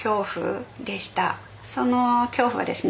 その恐怖はですね